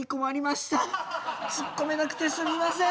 ツッコめなくてすみません。